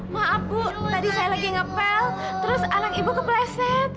maaf bu tadi saya lagi ngepel terus anak ibu kepleset